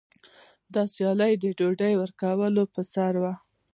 دا سیالي د ډوډۍ ورکولو په سر وه.